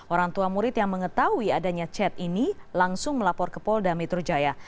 orang tua murid yang mengetahui adanya chat ini langsung melapor ke polda metro jaya